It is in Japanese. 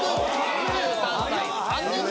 ２３歳３年目。